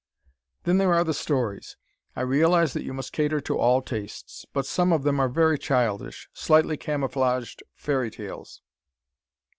Then there are the stories. I realize that you must cater to all tastes, but some of them are very childish, slightly camouflaged fairy tales.